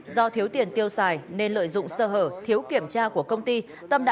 do thiếu tiền tiêu xài nên lợi dụng sở hở thiếu kiểm tra của công ty để điều tra về hành vi tham ô tài sản